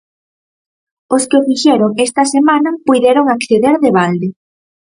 Os que o fixeron esta semana puideron acceder de balde.